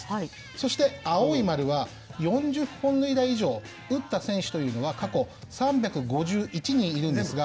そして青い丸は４０本塁打以上打った選手というのは過去３５１人いるんですが。